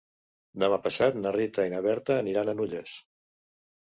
Demà passat na Rita i na Berta aniran a Nulles.